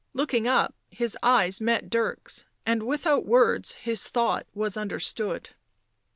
Looking up, his eyes met Dirk's, and without words his thought was understood.